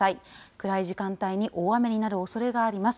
暗い時間帯に大雨になるおそれがあります。